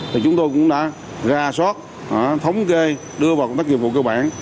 thì chúng tôi cũng đã ra soát thống kê đưa vào công tác nghiệp vụ cơ bản